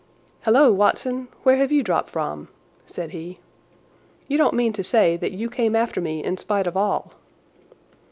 "Halloa, Watson! Where have you dropped from?" said he. "You don't mean to say that you came after me in spite of all?"